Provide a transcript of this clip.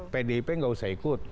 pdip nggak usah ikut